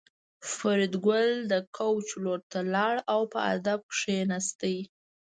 فریدګل د کوچ لور ته لاړ او په ادب کېناست